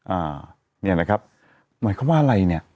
อ่าเนี่ยนะครับหมายความว่าอะไรเนี่ย